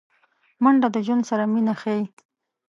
منډه د ژوند سره مینه ښيي